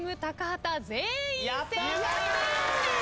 全員正解です。